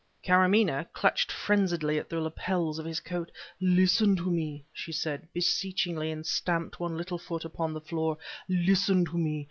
Karamaneh clutched frenziedly at the lapels of his coat. "Listen to me!" she said, beseechingly and stamped one little foot upon the floor "listen to me!